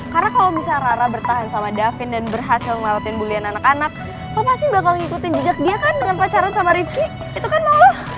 karena kalau misal rara bertahan sama davin dan berhasil ngelakuin bulian anak anak lo pasti bakal ngikutin jejak dia kan dengan pacaran sama rifki itu kan mau lo